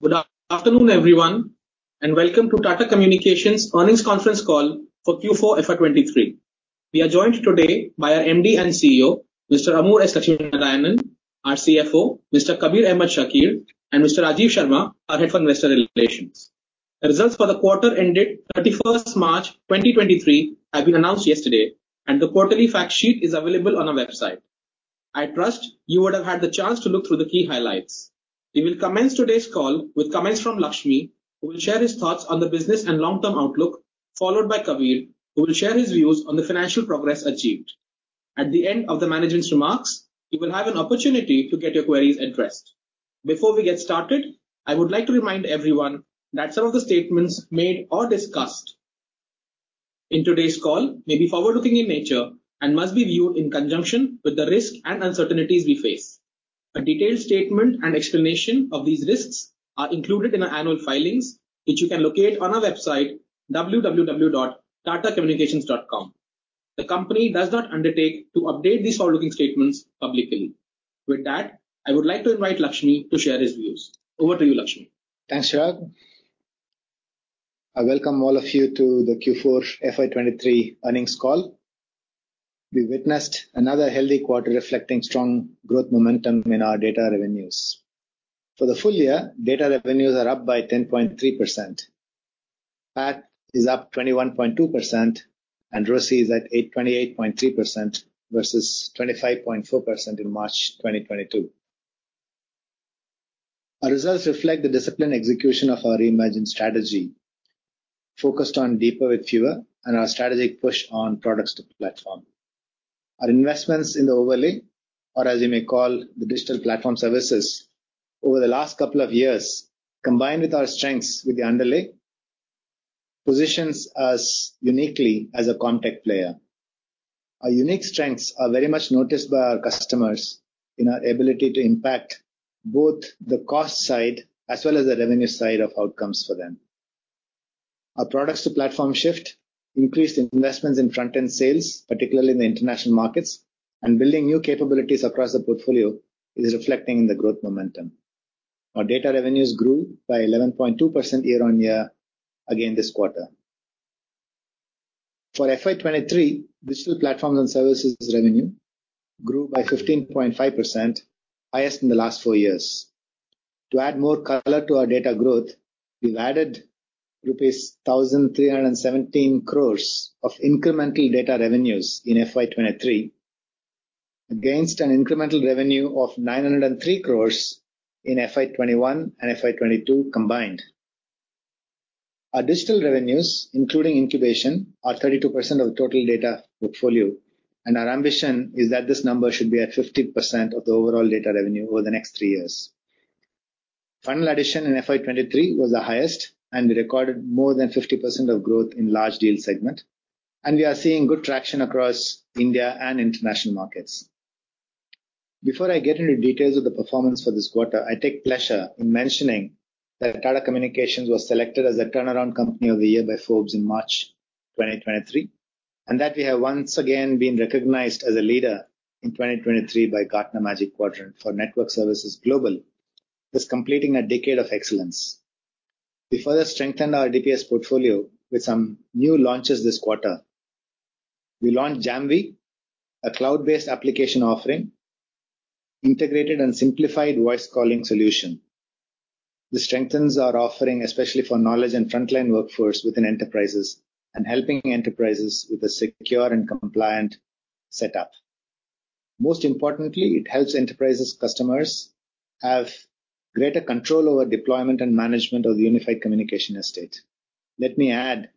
Good afternoon, everyone, and welcome to Tata Communications earnings conference call for Q4 FY23. We are joined today by our MD and CEO, Mr. Amur S. Lakshminarayanan, our CFO, Mr. Kabir Ahmed Shakir, and Mr. Rajiv Sharma, our head of investor relations. The results for the quarter ended 31st March 2023 have been announced yesterday, and the quarterly fact sheet is available on our website. I trust you would have had the chance to look through the key highlights. We will commence today's call with comments from Lakshmi, who will share his thoughts on the business and long-term outlook, followed by Kabir, who will share his views on the financial progress achieved. At the end of the management's remarks, you will have an opportunity to get your queries addressed. Before we get started, I would like to remind everyone that some of the statements made or discussed in today's call may be forward-looking in nature and must be viewed in conjunction with the risk and uncertainties we face. A detailed statement and explanation of these risks are included in our annual filings, which you can locate on our website www.tatacommunications.com. The company does not undertake to update these forward-looking statements publicly. With that, I would like to invite Lakshmi to share his views. Over to you, Lakshmi. Thanks, Chirag. I welcome all of you to the Q4 FY23 earnings call. We witnessed another healthy quarter reflecting strong growth momentum in our data revenues. For the full year, data revenues are up by 10.3%. PAT is up 21.2% and ROCE is at 28.3% versus 25.4% in March 2022. Our results reflect the disciplined execution of our reimagined strategy focused on deeper with fewer and our strategic push on products to platform. Our investments in the overlay or as you may call the digital platform services over the last couple of years, combined with our strengths with the underlay, positions us uniquely as a ComTech player. Our unique strengths are very much noticed by our customers in our ability to impact both the cost side as well as the revenue side of outcomes for them. Our products to platform shift, increased investments in front-end sales, particularly in the international markets, and building new capabilities across the portfolio is reflecting in the growth momentum. Our data revenues grew by 11.2% year-on-year again this quarter. For FY 2023, digital platforms and services revenue grew by 15.5%, highest in the last four years. To add more color to our data growth, we've added rupees 1,317 crores of incremental data revenues in FY 2023 against an incremental revenue of 903 crores in FY 2021 and FY 2022 combined. Our digital revenues, including incubation, are 32% of the total data portfolio, and our ambition is that this number should be at 50% of the overall data revenue over the next three years. Final addition in FY 2023 was the highest, and we recorded more than 50% of growth in large deal segment, and we are seeing good traction across India and international markets. Before I get into details of the performance for this quarter, I take pleasure in mentioning that Tata Communications was selected as the Turnaround Company of the Year by Forbes in March 2023, and that we have once again been recognized as a leader in 2023 by Gartner Magic Quadrant for Network Services Global, thus completing a decade of excellence. We further strengthened our DPS portfolio with some new launches this quarter. We launched JAMVEE, a cloud-based application offering integrated and simplified voice calling solution. This strengthens our offering, especially for knowledge and frontline workforce within enterprises and helping enterprises with a secure and compliant setup. Most importantly, it helps enterprises customers have greater control over deployment and management of the unified communication estate. Let me add,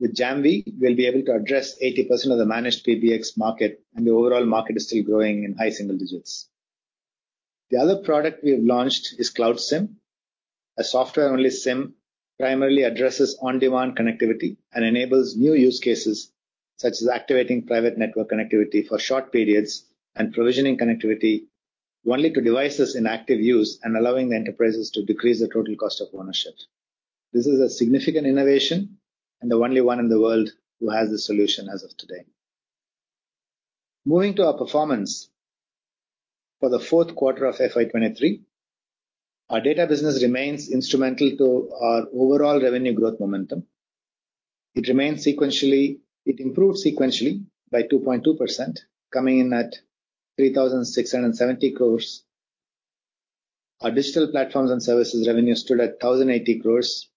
with JAMVEE, we'll be able to address 80% of the managed PBX market, and the overall market is still growing in high single digits. The other product we have launched is Cloud SIM. A software-only SIM primarily addresses on-demand connectivity and enables new use cases such as activating private network connectivity for short periods and provisioning connectivity only to devices in active use and allowing the enterprises to decrease the total cost of ownership. This is a significant innovation and the only one in the world who has the solution as of today. Moving to our performance for the fourth quarter of FY 2023. Our data business remains instrumental to our overall revenue growth momentum. It improved sequentially by 2.2% coming in at 3,670 crores. Our digital platforms and services revenue stood at 1,080 crores,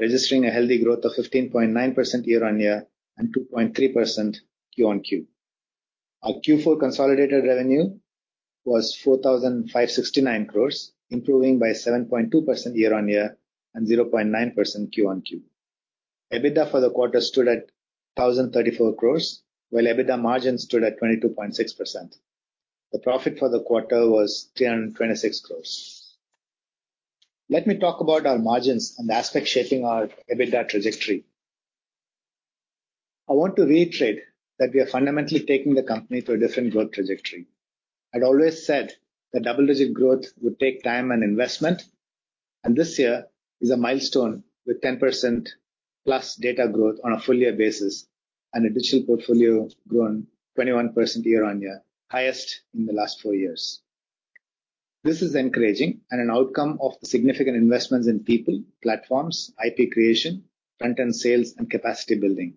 registering a healthy growth of 15.9% year-on-year and 2.3% Q-on-Q. Our Q4 consolidated revenue was 4,569 crores, improving by 7.2% year-on-year and 0.9% Q-on-Q. EBITDA for the quarter stood at 1,034 crores, while EBITDA margin stood at 22.6%. The profit for the quarter was 326 crores. Let me talk about our margins and the aspects shaping our EBITDA trajectory. I want to reiterate that we are fundamentally taking the company through a different growth trajectory. I'd always said that double-digit growth would take time and investment. This year is a milestone with 10%+ data growth on a full year basis and the digital portfolio grown 21% year-on-year, highest in the last four years. This is encouraging and an outcome of the significant investments in people, platforms, IP creation, front-end sales and capacity building.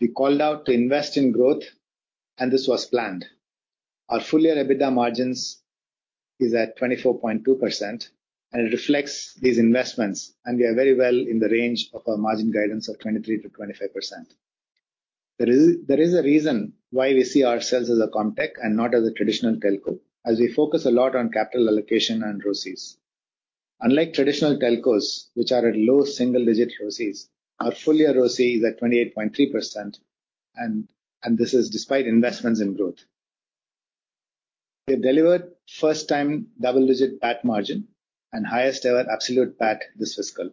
We called out to invest in growth. This was planned. Our full-year EBITDA margins is at 24.2%. It reflects these investments, and we are very well in the range of our margin guidance of 23%-25%. There is a reason why we see ourselves as a ComTech and not as a traditional telco, as we focus a lot on capital allocation and ROCEs. Unlike traditional telcos, which are at low single-digit ROCEs, our full-year ROCE is at 28.3% and this is despite investments in growth. We have delivered first-time double-digit PAT margin and highest-ever absolute PAT this fiscal.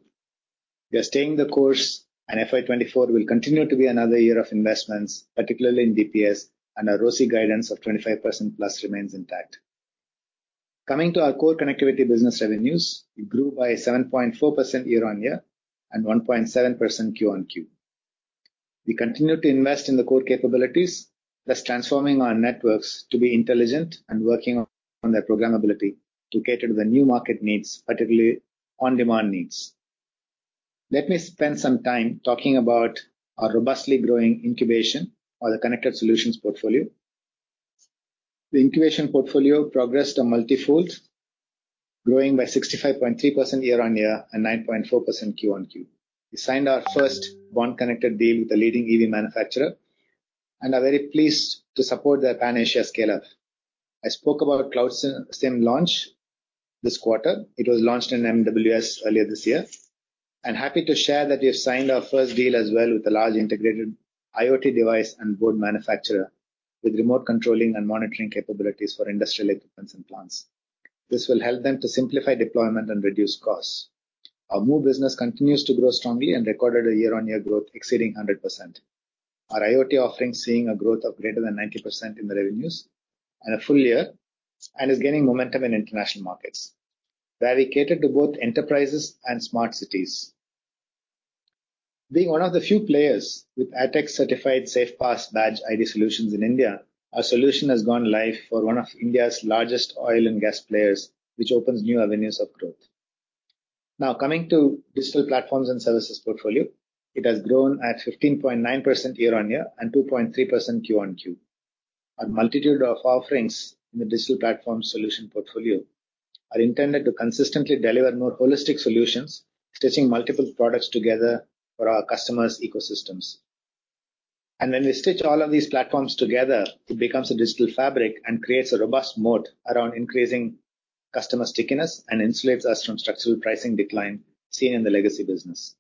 We are staying the course, FY 2024 will continue to be another year of investments, particularly in DPS and our ROCE guidance of 25%+ remains intact. Coming to our core connectivity business revenues, it grew by 7.4% year-over-year and 1.7% quarter-over-quarter. We continue to invest in the core capabilities, thus transforming our networks to be intelligent and working on their programmability to cater to the new market needs, particularly on-demand needs. Let me spend some time talking about our robustly growing incubation or the connected solutions portfolio. The incubation portfolio progressed on multifold, growing by 65.3% year-over-year and 9.4% quarter-over-quarter. We signed our first MOVE Connected deal with a leading EV manufacturer and are very pleased to support their Pan-Asia scale-up. I spoke about Cloud SIM launch this quarter. It was launched in MWC earlier this year. I'm happy to share that we have signed our first deal as well with a large integrated IoT device and board manufacturer with remote controlling and monitoring capabilities for industrial equipment and plants. This will help them to simplify deployment and reduce costs. Our MOVE business continues to grow strongly and recorded a year-on-year growth exceeding 100%. Our IoT offerings seeing a growth of greater than 90% in the revenues on a full year and is gaining momentum in international markets, where we cater to both enterprises and smart cities. Being one of the few players with ATEX certified Safe Path badge ID solutions in India, our solution has gone live for one of India's largest oil and gas players, which opens new avenues of growth. Coming to digital platforms and services portfolio, it has grown at 15.9% year-on-year and 2.3% Q-on-Q. A multitude of offerings in the digital platform solution portfolio are intended to consistently deliver more holistic solutions, stitching multiple products together for our customers' ecosystems. When we stitch all of these platforms together, it becomes a Digital Fabric and creates a robust mode around increasing customer stickiness and insulates us from structural pricing decline seen in the legacy business.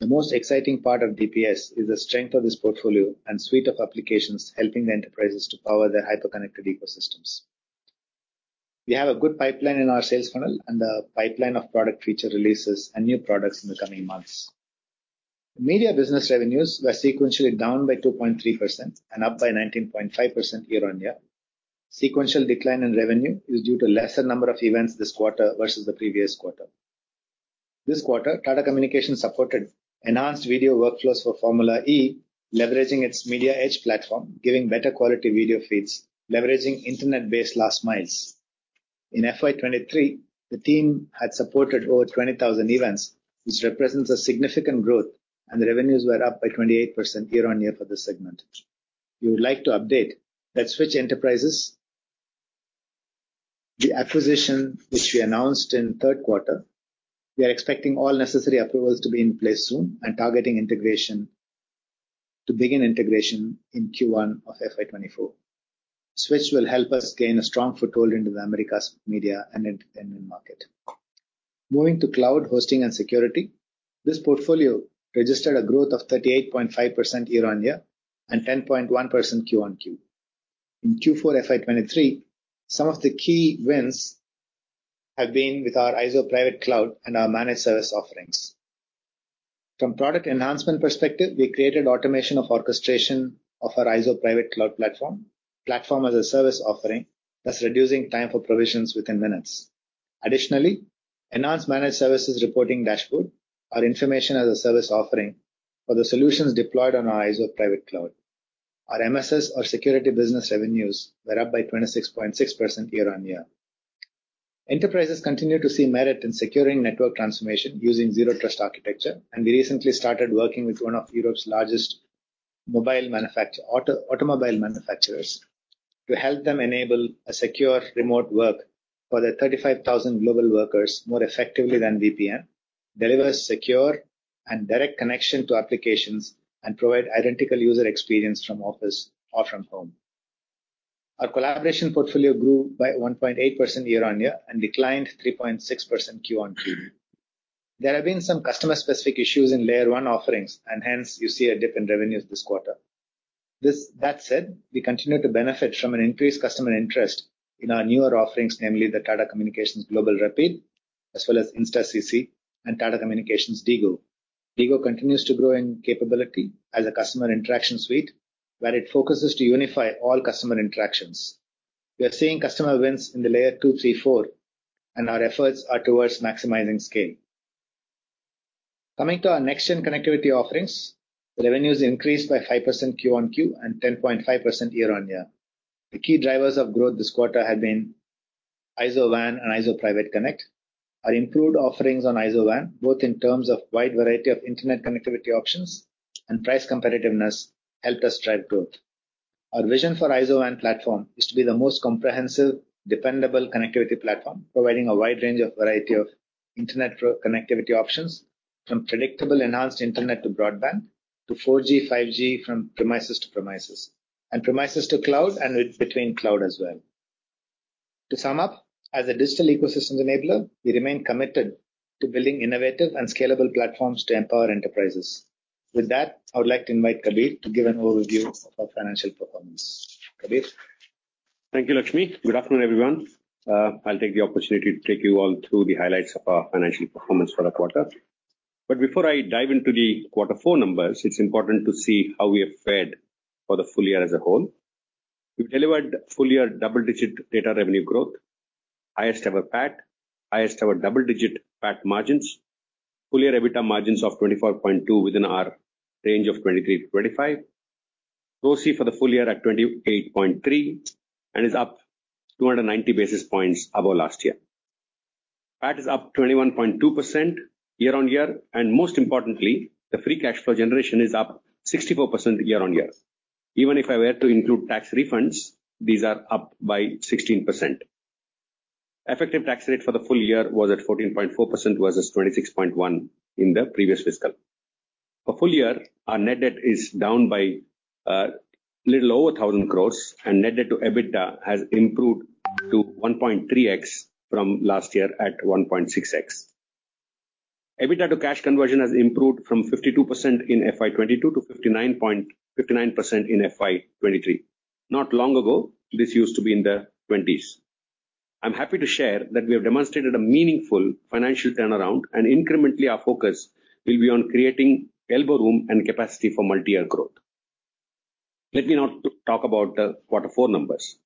The most exciting part of DPS is the strength of this portfolio and suite of applications helping the enterprises to power their hyper-connected ecosystems. We have a good pipeline in our sales funnel and a pipeline of product feature releases and new products in the coming months. Media business revenues were sequentially down by 2.3% and up by 19.5% year-on-year. Sequential decline in revenue is due to lesser number of events this quarter versus the previous quarter. This quarter, Tata Communications supported enhanced video workflows for Formula E, leveraging its Media Edge platform, giving better quality video feeds, leveraging Internet-based last miles. In FY 2023, the team had supported over 20,000 events, which represents a significant growth. The revenues were up by 28% year-on-year for this segment. We would like to update that The Switch Enterprises, the acquisition which we announced in third quarter, we are expecting all necessary approvals to be in place soon to begin integration in Q1 of FY 20 24. Switch will help us gain a strong foothold into the Americas media and entertainment market. Moving to cloud, hosting and security. This portfolio registered a growth of 38.5% year-on-year and 10.1% Q-on-Q. In Q4 FY 2023, some of the key wins have been with our IZO Private Cloud and our managed service offerings. From product enhancement perspective, we created automation of orchestration of our IZO Private Cloud platform as a service offering, thus reducing time for provisions within minutes. Additionally, enhanced managed services reporting dashboard are information as a service offering for the solutions deployed on our IZO Private Cloud. Our MSS or security business revenues were up by 26.6% year-on-year. Enterprises continue to see merit in securing network transformation using zero trust architecture, and we recently started working with one of Europe's largest automobile manufacturers to help them enable a secure remote work for their 35,000 global workers more effectively than VPN, deliver secure and direct connection to applications and provide identical user experience from office or from home. Our collaboration portfolio grew by 1.8% year-on-year and declined 3.6% Q-on-Q. There have been some customer specific issues in layer one offerings, hence you see a dip in revenues this quarter. That said, we continue to benefit from an increased customer interest in our newer offerings, namely the Tata Communications GlobalRapide, as well as InstaCC and Tata Communications Vigo. Vigo continues to grow in capability as a customer interaction suite where it focuses to unify all customer interactions. We are seeing customer wins in the layer two, three, four. Our efforts are towards maximizing scale. Coming to our next gen connectivity offerings, revenues increased by 5% Q-on-Q and 10.5% year-on-year. The key drivers of growth this quarter have been IZO WAN and IZO Private Connect. Our improved offerings on IZO WAN, both in terms of wide variety of internet connectivity options and price competitiveness, helped us drive growth. Our vision for IZO WAN platform is to be the most comprehensive, dependable connectivity platform, providing a wide range of variety of internet pro-connectivity options, from predictable enhanced internet to broadband, to 4G, 5G, from premises to premises, and premises to cloud, and between cloud as well. To sum up, as a digital ecosystem enabler, we remain committed to building innovative and scalable platforms to empower enterprises. With that, I would like to invite Kabir to give an overview of our financial performance. Kabir? Thank you, Lakshmi. Good afternoon, everyone. I'll take the opportunity to take you all through the highlights of our financial performance for the quarter. Before I dive into the quarter four numbers, it's important to see how we have fared for the full year as a whole. We've delivered full year double-digit data revenue growth, highest ever PAT, highest ever double-digit PAT margins, full year EBITDA margins of 24.2% within our range of 23%-25%. ROCE for the full year at 28.3%, and is up 290 basis points above last year. PAT is up 21.2% year-on-year, and most importantly, the free cash flow generation is up 64% year-on-year. Even if I were to include tax refunds, these are up by 16%. Effective tax rate for the full year was at 14.4% versus 26.1% in the previous fiscal. For full year, our net debt is down by little over 1,000 crores, and net debt to EBITDA has improved to 1.3x from last year at 1.6x. EBITDA to cash conversion has improved from 52% in FY 2022 to 59% in FY23. Not long ago, this used to be in the 20s percentage. I'm happy to share that we have demonstrated a meaningful financial turnaround, and incrementally our focus will be on creating elbow room and capacity for multi-year growth. Let me now talk about the Q4 numbers.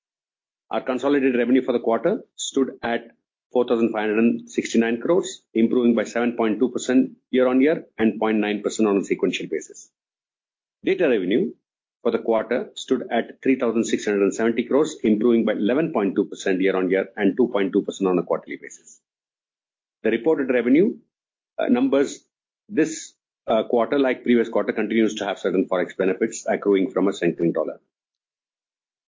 Our consolidated revenue for the quarter stood at 4,569 crores, improving by 7.2% year-on-year and 0.9% on a sequential basis. Data revenue for the quarter stood at 3,670 crores, improving by 11.2% year-on-year and 2.2% on a quarterly basis. The reported revenue numbers this quarter, like previous quarter, continues to have certain Forex benefits accruing from a strengthening dollar.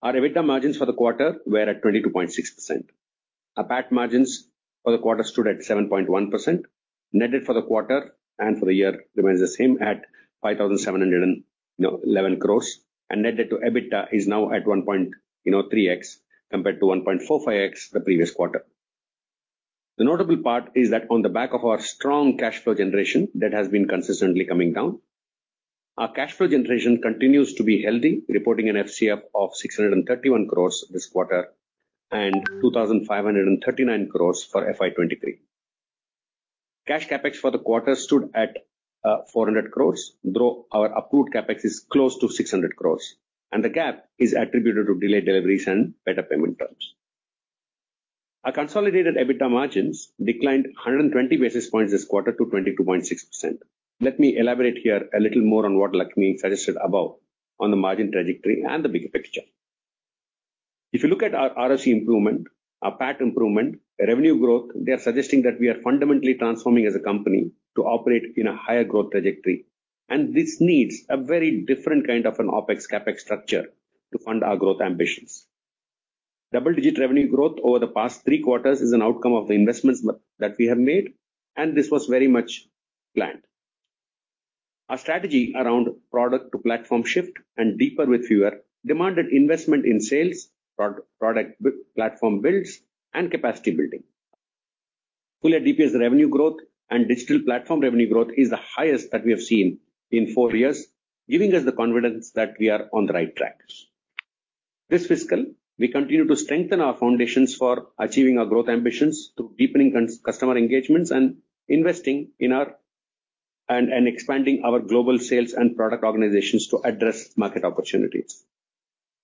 Our EBITDA margins for the quarter were at 22.6%. Our PAT margins for the quarter stood at 7.1%. Net debt for the quarter and for the year remains the same at 5,711 crores, and net debt to EBITDA is now at 1.3x compared to 1.45x the previous quarter. The notable part is that on the back of our strong cash flow generation that has been consistently coming down, our cash flow generation continues to be healthy, reporting an FCF of 631 crores this quarter and 2,539 crores for FY2203. Cash CapEx for the quarter stood at 400 crores, though our approved CapEx is close to 600 crores, the gap is attributed to delayed deliveries and better payment terms. Our consolidated EBITDA margins declined 120 basis points this quarter to 22.6%. Let me elaborate here a little more on what Lakshmi suggested above on the margin trajectory and the bigger picture. If you look at our ROCE improvement, our PAT improvement, revenue growth, they are suggesting that we are fundamentally transforming as a company to operate in a higher growth trajectory. This needs a very different kind of an OpEx, CapEx structure to fund our growth ambitions. Double-digit revenue growth over the past three quarters is an outcome of the investments that we have made, and this was very much planned. Our strategy around product to platform shift and deeper with fewer demanded investment in sales, pro-product platform builds, and capacity building. Full year DPS revenue growth and digital platform revenue growth is the highest that we have seen in four years, giving us the confidence that we are on the right track. This fiscal, we continue to strengthen our foundations for achieving our growth ambitions through deepening customer engagements and investing in our expanding our global sales and product organizations to address market opportunities.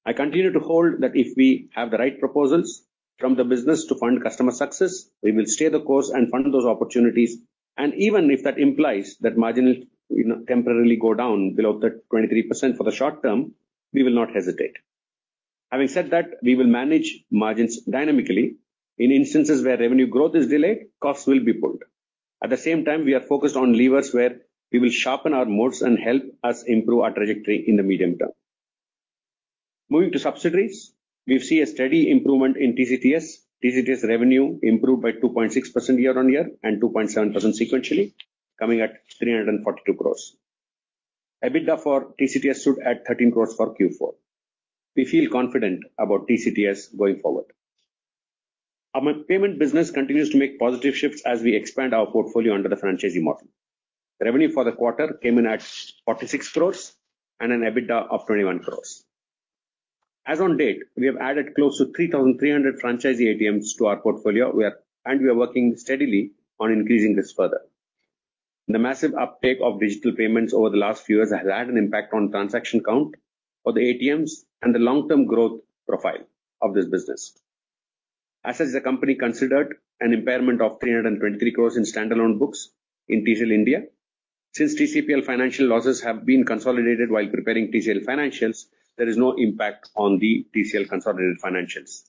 I continue to hold that if we have the right proposals from the business to fund customer success, we will stay the course and fund those opportunities. Even if that implies that margin will, you know, temporarily go down below that 23% for the short term, we will not hesitate. Having said that, we will manage margins dynamically. In instances where revenue growth is delayed, costs will be pulled. At the same time, we are focused on levers where we will sharpen our moats and help us improve our trajectory in the medium term. Moving to subsidiaries, we see a steady improvement in TCTS. TCTS revenue improved by 2.6% year-on-year and 2.7% sequentially, coming at 342 crores. EBITDA for TCTS stood at 13 crores for Q4. We feel confident about TCTS going forward. Our payment business continues to make positive shifts as we expand our portfolio under the franchisee model. Revenue for the quarter came in at 46 crores and an EBITDA of 21 crores. As on date, we have added close to 3,300 franchisee ATMs to our portfolio. We are working steadily on increasing this further. The massive uptake of digital payments over the last few years has had an impact on transaction count for the ATMs and the long-term growth profile of this business. As such, the company considered an impairment of 323 crore in standalone books in TCL India. Since TCPL financial losses have been consolidated while preparing TCL financials, there is no impact on the TCL consolidated financials.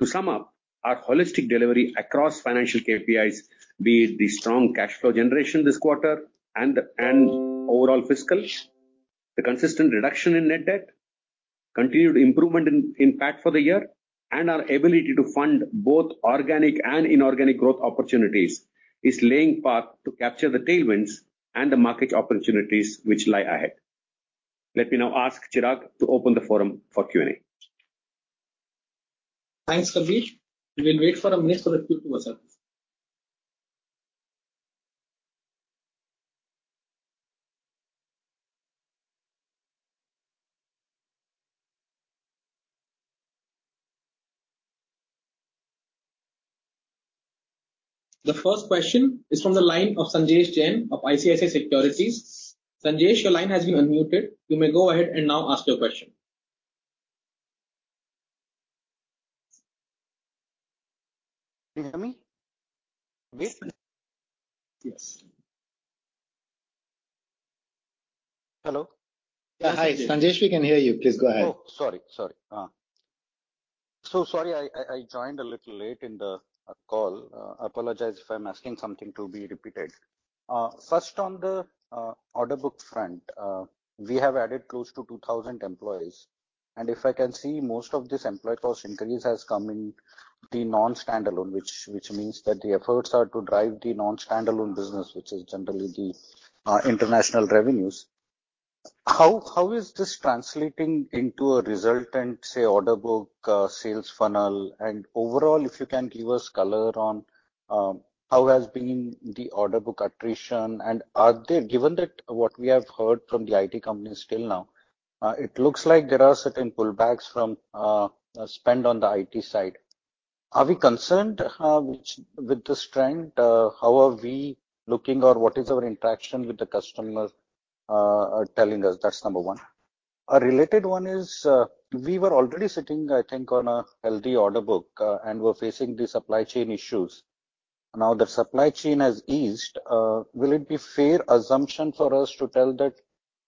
To sum up, our holistic delivery across financial KPIs, be it the strong cash flow generation this quarter and overall fiscal, the consistent reduction in net debt, continued improvement in PAT for the year, and our ability to fund both organic and inorganic growth opportunities, is laying path to capture the tailwinds and the market opportunities which lie ahead. Let me now ask Chirag to open the forum for Q&A. Thanks, Chirag. We will wait for a minute for the queue to assemble. The first question is from the line of Sanjesh Jain of ICICI Securities. Sanjesh, your line has been unmuted. You may go ahead and now ask your question. Can you hear me? Chirag? Yes. Hello? Yeah. Hi, Sanjesh, we can hear you. Please go ahead. Oh, sorry. Sorry. so sorry I joined a little late in the call. Apologize if I'm asking something to be repeated. first on the order book front, we have added close to 2,000 employees. If I can see, most of this employee cost increase has come in the non-standalone which means that the efforts are to drive the non-standalone business, which is generally the international revenues. How is this translating into a result and say, order book, sales funnel? Overall, if you can give us color on, how has been the order book attrition. Are there Given that what we have heard from the IT companies till now, it looks like there are certain pullbacks from spend on the IT side. Are we concerned with this trend? How are we looking or what is our interaction with the customer, telling us? That's number one. A related one is, we were already sitting, I think, on a healthy order book, and were facing the supply chain issues. Now the supply chain has eased. Will it be fair assumption for us to tell that,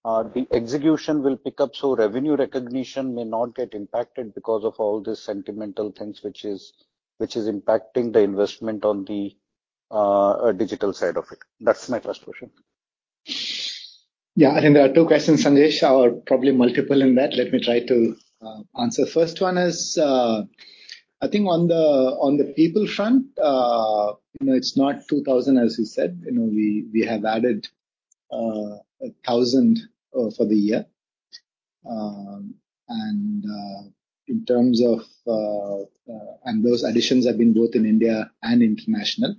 the execution will pick up, so revenue recognition may not get impacted because of all the sentimental things which is impacting the investment on the digital side of it? That's my first question. Yeah. I think there are two questions, Sanjesh, or probably multiple in that. Let me try to answer. First one is, I think on the, on the people front, you know, it's not 2,000 as you said. You know, we have added 1,000 for the year. In terms of, those additions have been both in India and international.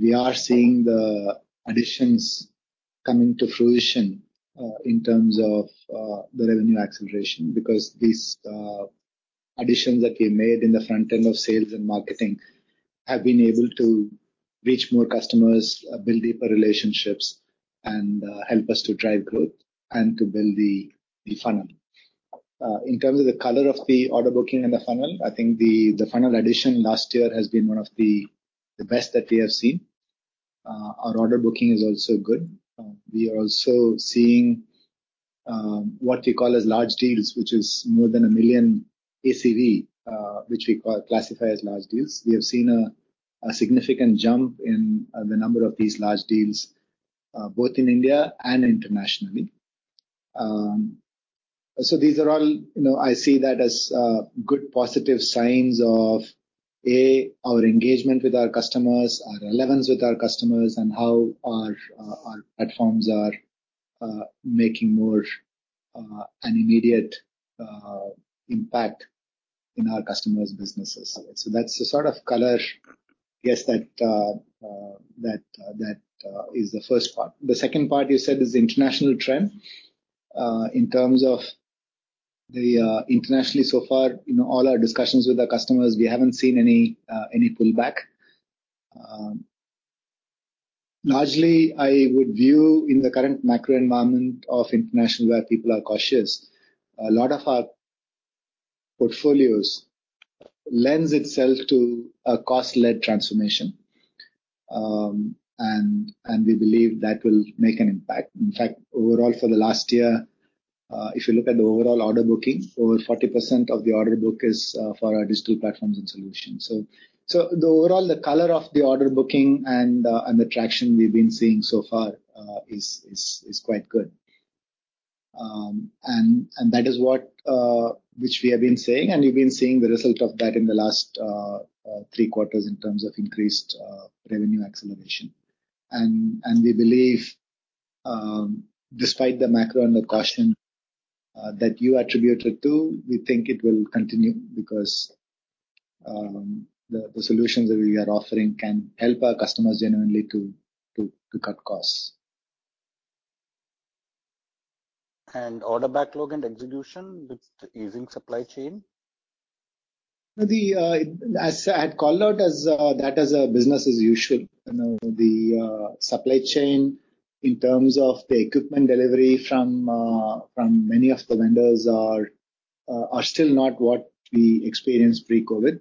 We are seeing the additions coming to fruition, in terms of the revenue acceleration. Because these additions that we made in the front end of sales and marketing have been able to reach more customers, build deeper relationships, and help us to drive growth and to build the funnel. In terms of the color of the order booking and the funnel, I think the funnel addition last year has been one of the best that we have seen. Our order booking is also good. We are also seeing what you call as large deals, which is more than 1 million ACV, which we classify as large deals. We have seen a significant jump in the number of these large deals, both in India and internationally. These are all. You know, I see that as good positive signs of A, our engagement with our customers, our relevance with our customers and how our platforms are making more an immediate impact in our customers' businesses. That's the sort of color I guess that is the first part. The second part you said is the international trend. In terms of the internationally so far, in all our discussions with our customers we haven't seen any pullback. Largely I would view in the current macro environment of international where people are cautious, a lot of our portfolios lends itself to a cost-led transformation. We believe that will make an impact. In fact, overall for the last year, if you look at the overall order booking, over 40% of the order book is for our digital platforms and solutions. The color of the order booking and the traction we've been seeing so far is quite good. That is what which we have been saying, and we've been seeing the result of that in the last three quarters in terms of increased revenue acceleration. We believe despite the macro and the caution that you attributed to, we think it will continue because the solutions that we are offering can help our customers genuinely to cut costs. Order backlog and execution with using supply chain. As I had called out as that as a business as usual. You know, the supply chain in terms of the equipment delivery from many of the vendors are still not what we experienced pre-COVID.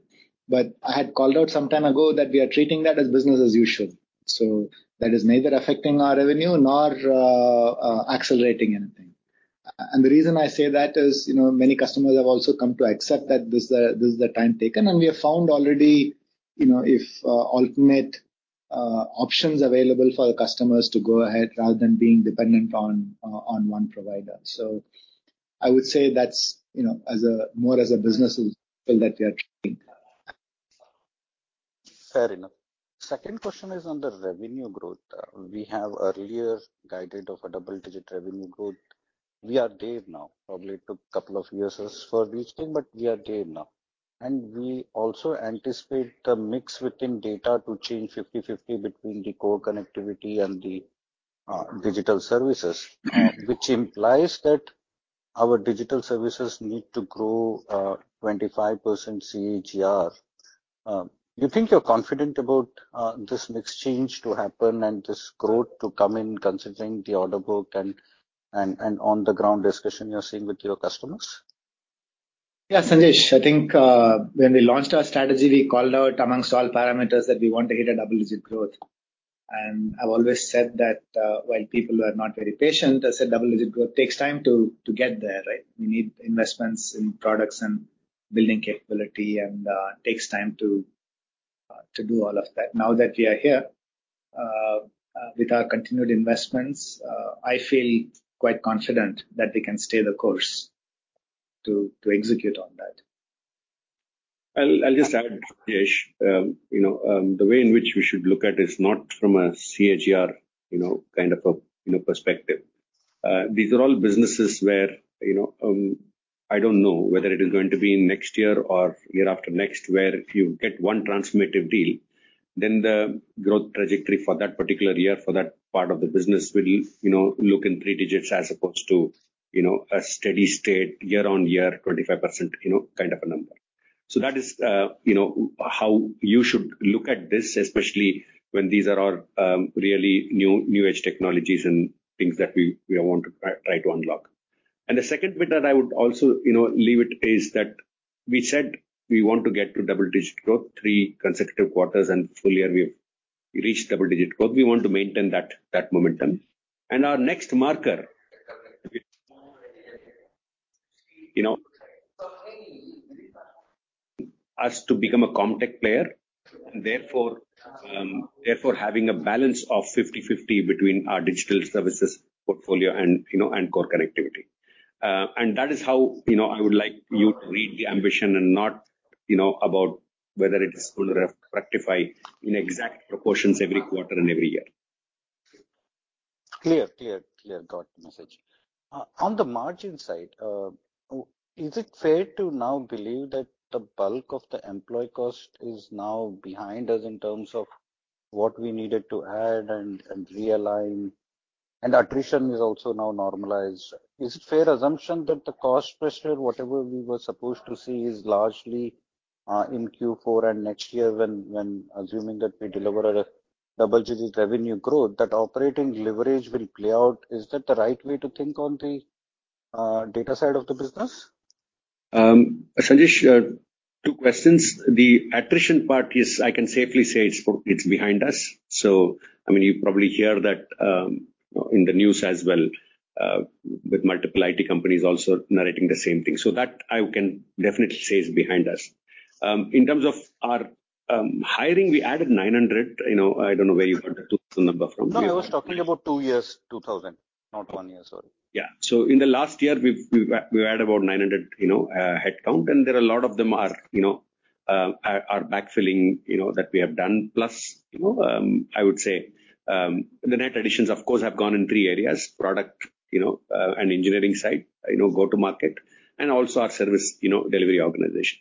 I had called out some time ago that we are treating that as business as usual. That is neither affecting our revenue nor accelerating anything. The reason I say that is, you know, many customers have also come to accept that this is the time taken, and we have found already, you know, if alternate options available for the customers to go ahead rather than being dependent on one provider. I would say that's, you know, as a more as a business as usual that we are treating. Fair enough. Second question is on the revenue growth. We have earlier guided of a double-digit revenue growth. We are there now. Probably it took couple of years for reaching, but we are there now. We also anticipate the mix within data to change 50/50 between the core connectivity and the digital services. This implies that our digital services need to grow 25% CAGR. You think you're confident about this mix change to happen and this growth to come in considering the order book and on the ground discussion you're seeing with your customers? Yeah, Sanjesh. I think, when we launched our strategy, we called out amongst all parameters that we want to hit a double-digit growth. I've always said that, while people were not very patient, I said double-digit growth takes time to get there, right? We need investments in products and building capability and takes time to do all of that. Now that we are here, with our continued investments, I feel quite confident that we can stay the course to execute on that. I'll just add, Sanjesh. you know, the way in which we should look at is not from a CAGR, you know, kind of a, you know, perspective. These are all businesses where, you know, I don't know whether it is going to be next year or year after next, where if you get one transformative deal, then the growth trajectory for that particular year, for that part of the business will, you know, look in three digits as opposed to, you know, a steady state year-on-year, 25% you know, kind of a number. That is, you know, how you should look at this, especially when these are all really new age technologies and things that we want to try to unlock. The second bit that I would also, you know, leave it is that we said we want to get to double-digit growth, three consecutive quarters and full year we have reached double-digit growth. We want to maintain that momentum. Our next marker, you know, us to become a ComTech player and therefore, having a balance of 50/50 between our digital services portfolio and, you know, and core connectivity. That is how, you know, I would like you to read the ambition and not, you know, about whether it is going to rectify in exact proportions every quarter and every year. Clear. Clear. Clear. Got the message. On the margin side, is it fair to now believe that the bulk of the employee cost is now behind us in terms of what we needed to add and realign, and attrition is also now normalized? Is it fair assumption that the cost pressure, whatever we were supposed to see, is largely, in Q4 and next year when assuming that we deliver a double-digit revenue growth, that operating leverage will play out, is that the right way to think on the data side of the business? Sanjesh, two questions. The attrition part is, I can safely say it's behind us. I mean, you probably hear that in the news as well, with multiple IT companies also narrating the same thing. That I can definitely say is behind us. In terms of our hiring, we added 900, you know, I don't know where you got the 2,000 number from. No, I was talking about two years, 2000, not one year. Sorry. Yeah. In the last year, we've added about 900, you know, headcount, and there are a lot of them are, you know, backfilling, you know, that we have done. Plus, you know, I would say, the net additions of course have gone in three areas: product, you know, and engineering side, you know, go to market and also our service, you know, delivery organization.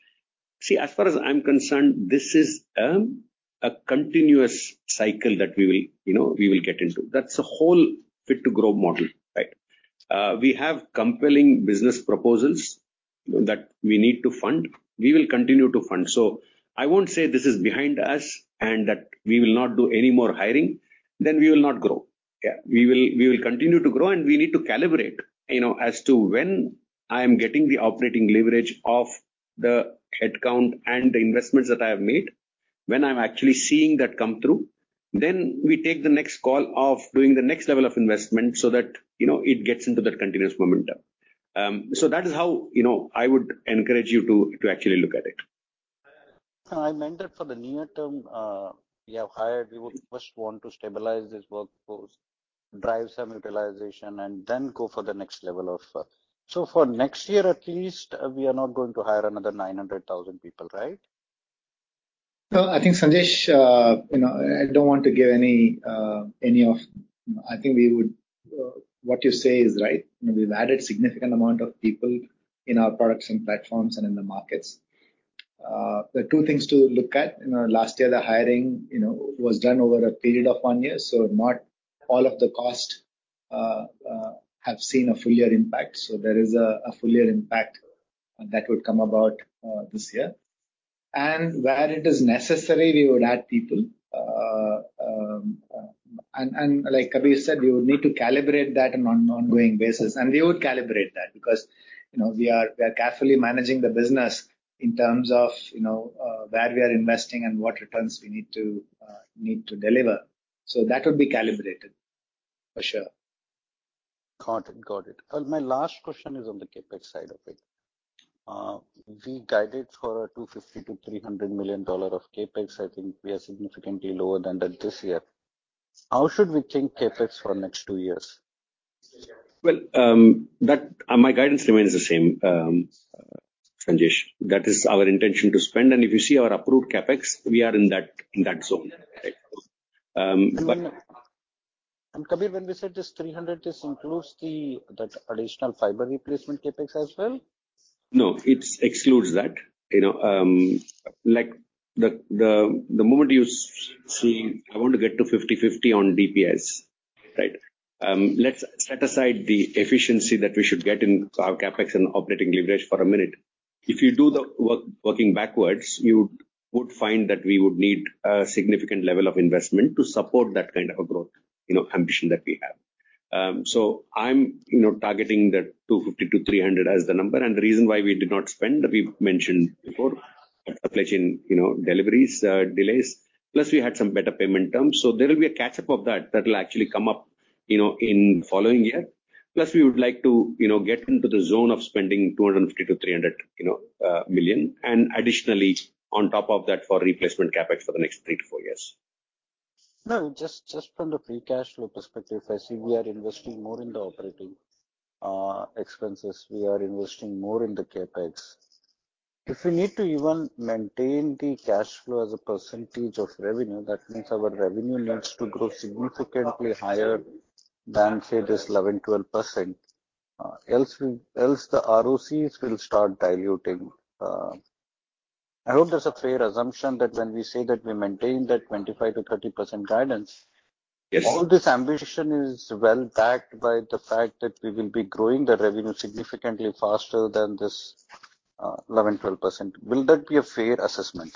See, as far as I'm concerned, this is a continuous cycle that we will, you know, we will get into. That's a whole fit-to-grow model, right? We have compelling business proposals that we need to fund. We will continue to fund. I won't say this is behind us and that we will not do any more hiring, then we will not grow. We will continue to grow. We need to calibrate, you know, as to when I am getting the operating leverage of the headcount and the investments that I have made when I'm actually seeing that come through, then we take the next call of doing the next level of investment so that, you know, it gets into that continuous momentum. That is how, you know, I would encourage you to actually look at it. I meant that for the near term, you have hired, you would first want to stabilize this workforce, drive some utilization and then go for the next level of... For next year at least, we are not going to hire another 900,000 people, right? No, I think Sanjesh, you know, I don't want to give any. What you say is right. We've added significant amount of people in our products and platforms and in the markets. There are two things to look at. You know, last year the hiring, you know, was done over a period of one year, so not all of the costs have seen a full year impact. There is a full year impact that would come about this year. Where it is necessary, we would add people. And like Kabir said, we would need to calibrate that on an ongoing basis. We would calibrate that because, you know, we are carefully managing the business in terms of, you know, where we are investing and what returns we need to deliver. That would be calibrated for sure. Got it. Got it. My last question is on the CapEx side of it. We guided for $250 million-$300 million of CapEx. I think we are significantly lower than that this year. How should we think CapEx for next two years? Well, My guidance remains the same, Sanjesh. That is our intention to spend. If you see our approved CapEx, we are in that zone, right? Kabir, when we said this $300 million, this includes the additional fiber replacement CapEx as well? No, it excludes that. You know, the moment you see I want to get to 50/50 on DPS, right? Let's set aside the efficiency that we should get in our CapEx and operating leverage for a minute. If you do the work working backwards, you would find that we would need a significant level of investment to support that kind of a growth, you know, ambition that we have. I'm, you know, targeting that $250 million-$300 million as the number. The reason why we did not spend, we've mentioned before, supply chain, you know, deliveries, delays, plus we had some better payment terms. There will be a catch-up of that. That will actually come up, you know, in following year. We would like to, you know, get into the zone of spending $250 million-$300 million, you know, and additionally, on top of that, for replacement CapEx for the next three-four years. No, just from the free cash flow perspective, I see we are investing more in the operating expenses. We are investing more in the CapEx. If we need to even maintain the cash flow as a % of revenue, that means our revenue needs to grow significantly higher than, say, this 11%, 12%. Else the ROCs will start diluting. I hope that's a fair assumption that when we say that we maintain that 25%-30% guidance. Yes. All this ambition is well backed by the fact that we will be growing the revenue significantly faster than this, 11%, 12%. Will that be a fair assessment?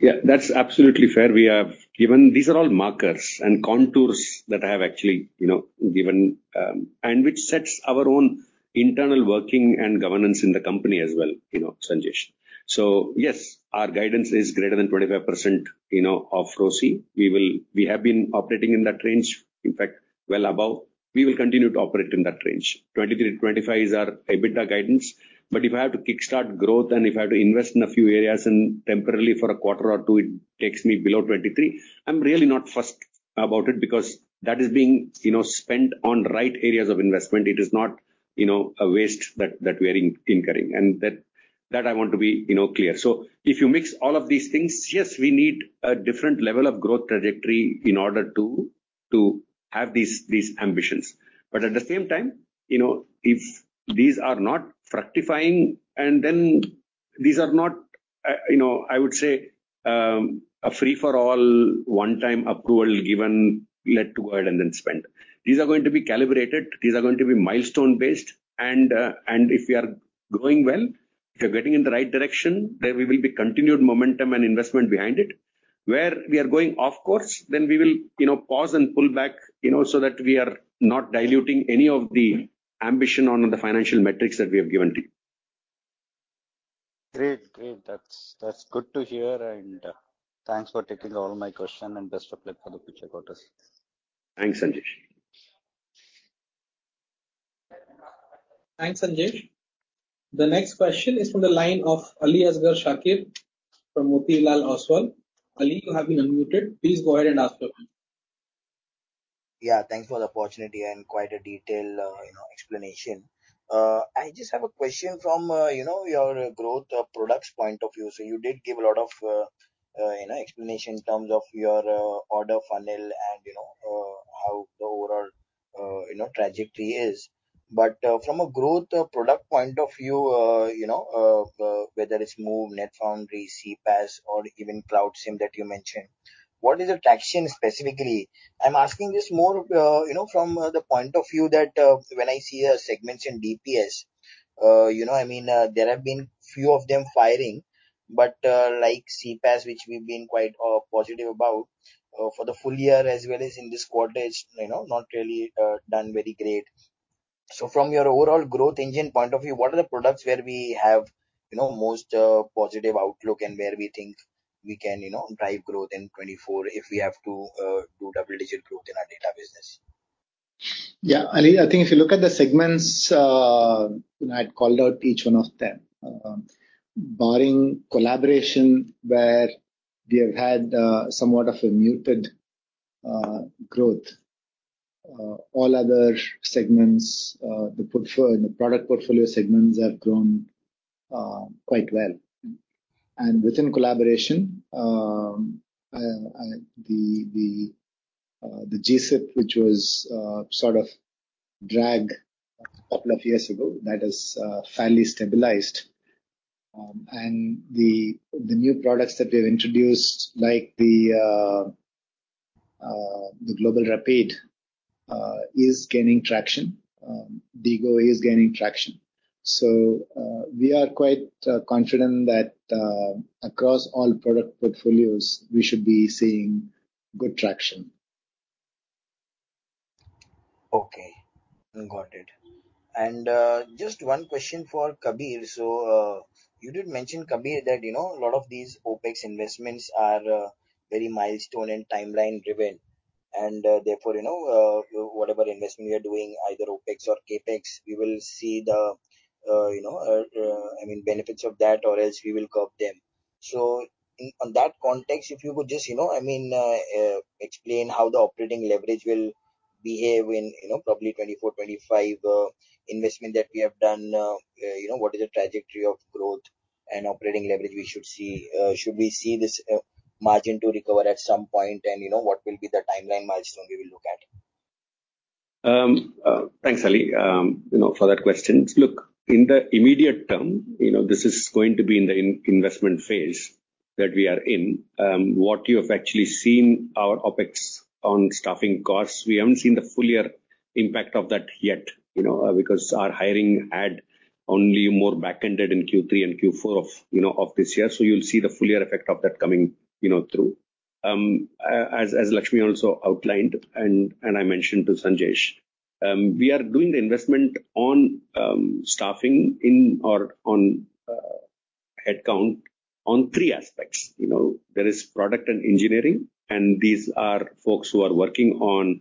Yeah, that's absolutely fair. These are all markers and contours that I have actually, you know, given, and which sets our own internal working and governance in the company as well, you know, Sanjesh. Yes, our guidance is greater than 25%, you know, of ROC. We have been operating in that range, in fact, well above. We will continue to operate in that range. 23%-25% is our EBITDA guidance. If I have to kickstart growth and if I have to invest in a few areas and temporarily for a quarter or two, it takes me below 23%, I'm really not fussed about it because that is being, you know, spent on right areas of investment. It is not, you know, a waste that we are incurring and that I want to be, you know, clear. If you mix all of these things, yes, we need a different level of growth trajectory in order to have these ambitions. At the same time, you know, if these are not fructifying and then these are not, you know, I would say, a free-for-all one-time approval given, let go ahead and then spend. These are going to be calibrated. These are going to be milestone based, and if we are growing well, if we are getting in the right direction, there will be continued momentum and investment behind it. Where we are going off course, then we will, you know, pause and pull back, you know, so that we are not diluting any of the ambition on the financial metrics that we have given to you. Great. That's good to hear. Thanks for taking all my question and best of luck for the future quarters. Thanks, Sanjesh. Thanks, Sanjesh. The next question is from the line of Aliasgar Shakir from Motilal Oswal. Ali, you have been unmuted. Please go ahead and ask your question. Yeah, thanks for the opportunity and quite a detailed, you know, explanation. I just have a question from, you know, your growth products point of view. You did give a lot of, you know, explanation in terms of your, order funnel and, you know, how the overall, you know, trajectory is. From a growth product point of view, you know, whether it's MOVE, NetFoundry, CPaaS or even Cloud SIM that you mentioned, what is the traction specifically? I'm asking this more, you know, from the point of view that, when I see a segment in DPS, you know, I mean, there have been few of them firing, but, like CPaaS, which we've been quite, positive about, for the full year as well as in this quarter, it's, you know, not really, done very great. From your overall growth engine point of view, what are the products where we have, you know, most, positive outlook and where we think we can, you know, drive growth in 2024 if we have to, do double-digit growth in our data business? Yeah, Ali, I think if you look at the segments, you know, I'd called out each one of them. Barring collaboration, where we have had somewhat of a muted growth, all other segments, the product portfolio segments have grown quite well. Within collaboration, the GSIP, which was sort of drag-couple of years ago that has finally stabilized. The new products that we have introduced, like the GlobalRapide, is gaining traction, DIGO is gaining traction. We are quite confident that across all product portfolios, we should be seeing good traction. Okay. Got it. Just one question for Kabir. You did mention, Kabir, that, you know, a lot of these OpEx investments are very milestone and timeline-driven, and therefore, you know, whatever investment you're doing, either OpEx or CapEx, we will see the, you know, I mean, benefits of that or else we will curb them. In that context, if you could just, you know, I mean, explain how the operating leverage will behave in, you know, probably 2024/2025 investment that we have done. You know, what is the trajectory of growth and operating leverage we should see? Should we see this margin to recover at some point? You know, what will be the timeline milestone we will look at? Thanks, Ali, you know, for that question. Look, in the immediate term, you know, this is going to be in the in-investment phase that we are in. What you have actually seen our OpEx on staffing costs, we haven't seen the full year impact of that yet, you know, because our hiring had only more back-ended in Q3 and Q4 of, you know, of this year. You'll see the full year effect of that coming, you know, through. As Lakshmi also outlined and I mentioned to Sanjesh, we are doing the investment on staffing in or on headcount on three aspects. You know, there is product and engineering, and these are folks who are working on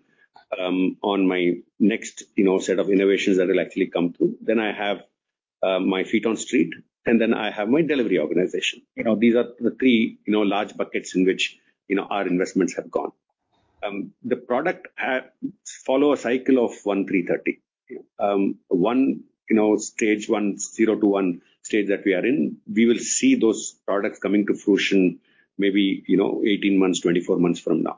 my next, you know, set of innovations that will actually come through. I have my feet on street. I have my delivery organization. You know, these are the three, you know, large buckets in which, you know, our investments have gone. The product follow a cycle of one-three-30. One, you know, stage 1, zero-to-one stage that we are in, we will see those products coming to fruition maybe, you know, 18 months, 24 months from now.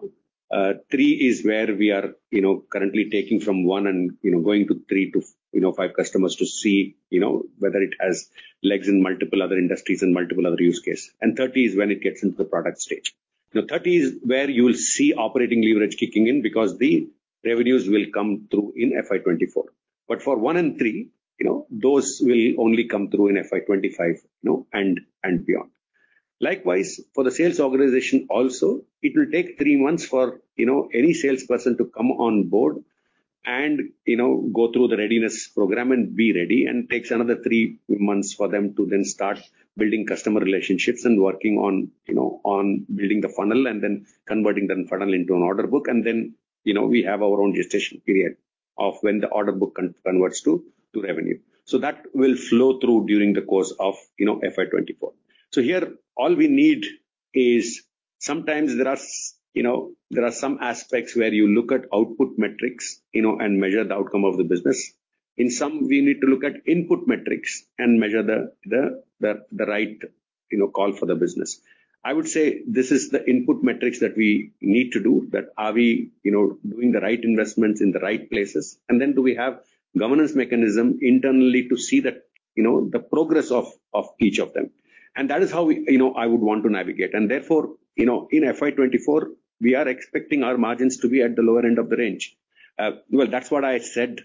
Three is where we are, you know, currently taking from one and, you know, going to three to, you know, five customers to see, you know, whether it has legs in multiple other industries and multiple other use case. 30 is when it gets into the product stage. Now 30 is where you will see operating leverage kicking in because the revenues will come through in FY 2024. For one and three, you know, those will only come through in FY 2025, you know, and beyond. Likewise, for the sales organization also, it will take three months for, you know, any salesperson to come on board and, you know, go through the readiness program and be ready, and takes another three months for them to then start building customer relationships and working on, you know, on building the funnel and then converting the funnel into an order book. Then, you know, we have our own gestation period of when the order book converts to revenue. That will flow through during the course of, you know, FY 2024. Here all we need is sometimes there are, you know, some aspects where you look at output metrics, you know, and measure the outcome of the business. In some, we need to look at input metrics and measure the right, you know, call for the business. I would say this is the input metrics that we need to do that are we, you know, doing the right investments in the right places? Then do we have governance mechanism internally to see the, you know, the progress of each of them. That is how we, you know, I would want to navigate. Therefore, you know, in FY 2024, we are expecting our margins to be at the lower end of the range. Well, that's what I said,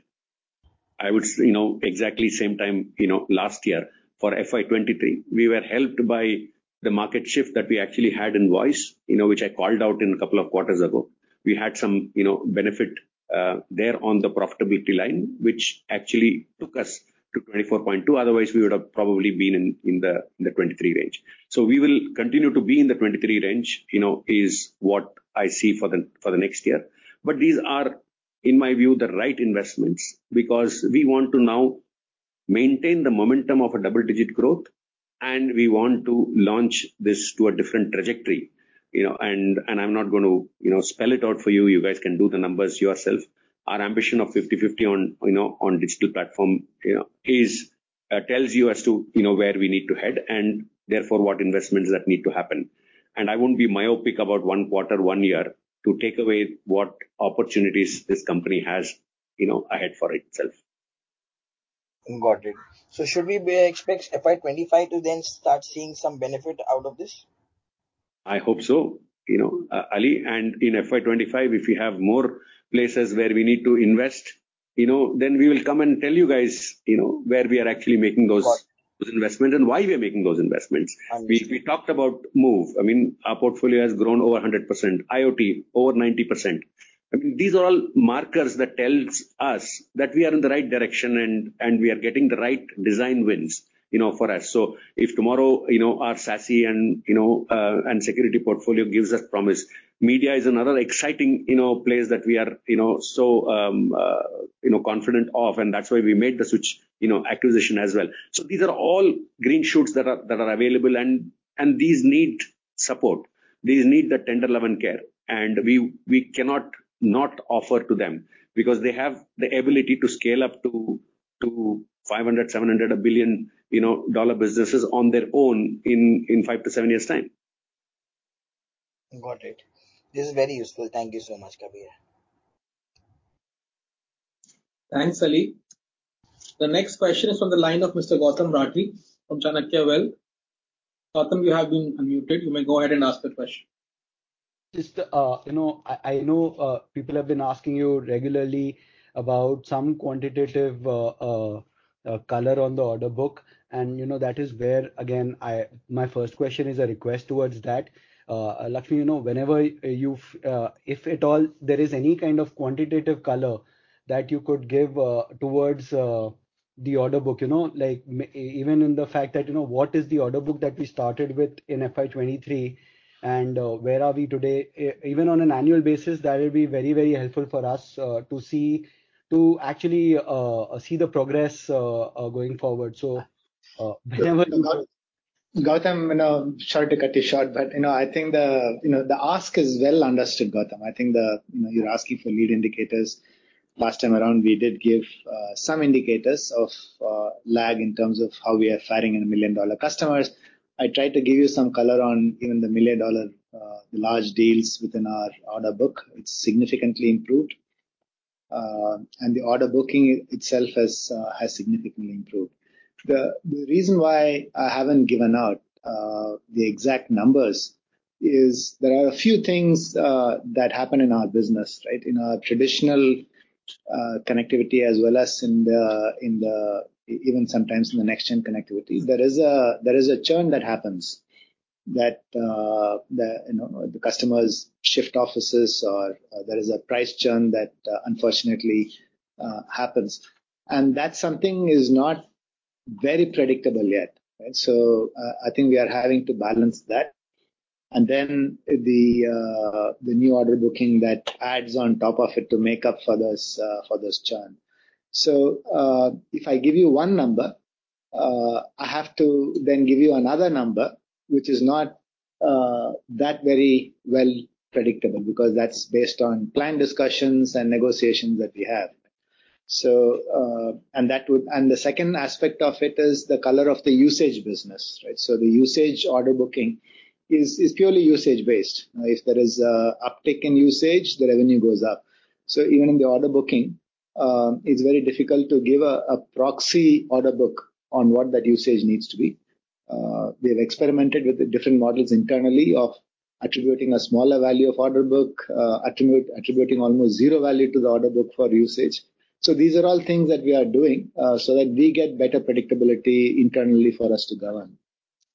I would, you know, exactly same time, you know, last year for FY 2023. We were helped by the market shift that we actually had in voice, you know, which I called out in a couple of quarters ago. We had some, you know, benefit there on the profitability line, which actually took us to 24.2%. Otherwise, we would have probably been in the 23% range. We will continue to be in the 23% range, you know, is what I see for the next year. These are, in my view, the right investments because we want to now maintain the momentum of a double-digit growth, and we want to launch this to a different trajectory. You know, I'm not gonna, you know, spell it out for you. You guys can do the numbers yourself. Our ambition of 50/50 on, you know, on digital platform, you know, is tells you as to, you know, where we need to head and therefore what investments that need to happen. I wouldn't be myopic about one quarter, one year to take away what opportunities this company has, you know, ahead for itself. Got it. should we be expect FY 2025 to then start seeing some benefit out of this? I hope so. You know, Ali, in FY 2025, if we have more places where we need to invest, you know, then we will come and tell you guys, you know, where we are actually making those- Got it. those investment and why we are making those investments. Understood. We talked about MOVE. I mean, our portfolio has grown over 100%. IoT over 90%. I mean, these are all markers that tells us that we are in the right direction and we are getting the right design wins, you know, for us. If tomorrow, you know, our SASE and security portfolio gives us promise. Media is another exciting, you know, place that we are, you know, so, you know, confident of, and that's why we made the Switch, you know, acquisition as well. These are all green shoots that are available and these need support. These need the tender love and care. We cannot not offer to them because they have the ability to scale up to $500 million, $700 million, $1 billion, you know, dollar businesses on their own in five to seven years' time. Got it. This is very useful. Thank you so much, Kabir. Thanks, Ali. The next question is from the line of Mr. Gautam Rathi from Chanakya Wealth. Gautam, you have been unmuted. You may go ahead and ask the question. Just, you know, I know, people have been asking you regularly about some quantitative color on the order book. You know, that is where again, my first question is a request towards that. Lakshmi, you know, whenever you've, if at all there is any kind of quantitative color that you could give towards the order book, you know. Like even in the fact that, you know, what is the order book that we started with in FY 2023 and where are we today? Even on an annual basis, that will be very, very helpful for us to see, to actually see the progress going forward. Whenever. Gautam, sorry to cut you short, I think the ask is well understood, Gautam. I think you're asking for lead indicators. Last time around, we did give some indicators of lag in terms of how we are faring in the million-dollar customers. I tried to give you some color on even the million-dollar large deals within our order book. It's significantly improved. The order booking itself has significantly improved. The reason why I haven't given out the exact numbers is there are a few things that happen in our business, right? In our traditional connectivity as well as even sometimes in the next-gen connectivity. There is a churn that happens that, the, you know, the customers shift offices or there is a price churn that, unfortunately, happens. That something is not very predictable yet, right? I think we are having to balance that. The, the new order booking that adds on top of it to make up for this, for this churn. If I give you 1 number, I have to then give you another number, which is not, that very well predictable, because that's based on plan discussions and negotiations that we have. The second aspect of it is the color of the usage business, right? The usage order booking is purely usage-based. If there is uptick in usage, the revenue goes up. Even in the order booking, it's very difficult to give a proxy order book on what that usage needs to be. We've experimented with the different models internally of attributing a smaller value of order book, attributing almost zero value to the order book for usage. These are all things that we are doing so that we get better predictability internally for us to govern.